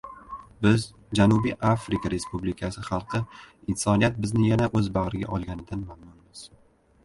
Biz, Janubiy Afrika Respublikasi xalqi, insoniyat bizni yana o‘z bag‘riga olganidan mamnunmiz